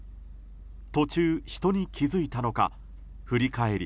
途中、人に気づいたのか振り返り